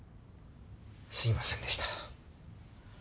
すいませんでした。